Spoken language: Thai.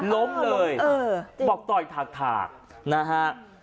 ล้มเลยบอกต่อยถากนะฮะ